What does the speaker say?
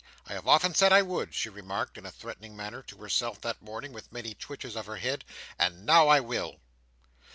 "I have often said I would," she remarked, in a threatening manner, to herself, that morning, with many twitches of her head, "and now I will!"